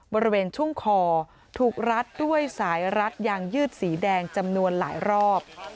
บริเวณช่วงคอถูกรัดด้วยสายรัดยางยืดสีแดงจำนวนหลายรอบ